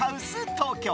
東京。